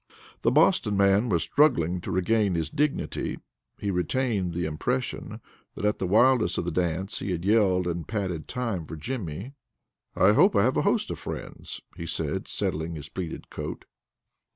The Boston man was struggling to regain his dignity. He retained the impression that at the wildest of the dance he had yelled and patted time for Jimmy. "I hope I have a host of friends," he said, settling his pleated coat.